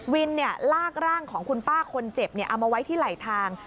ลากร่างของคุณป้าคนเจ็บเอามาไว้ที่ไหลทาง